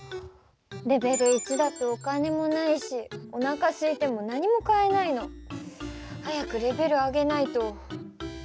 レベル１だとお金もないしおなかすいても何も買えないの。早くレベル上げないと。